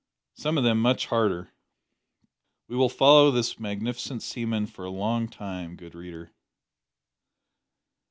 Some o' them much harder." We will follow this magnificent seaman for a time, good reader.